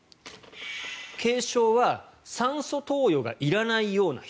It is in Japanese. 軽症は酸素投与がいらないような人。